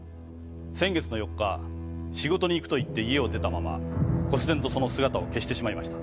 先月の４日仕事に行くと言って家を出たままこつ然とその姿を消してしまいました。